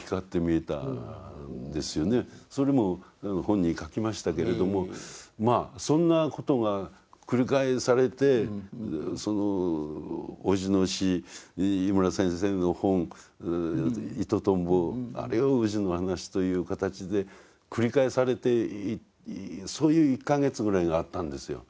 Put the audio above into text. それも本に書きましたけれどもまあそんなことが繰り返されておじの死井村先生の本イトトンボあるいはウジの話という形で繰り返されてそういう１か月ぐらいがあったんですよ。